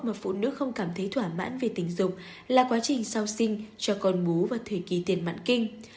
mà phụ nữ không cảm thấy thỏa mãn về tình dục là quá trình sau sinh cho con bú và thời kỳ tiền mãn kinh